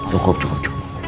cukup cukup cukup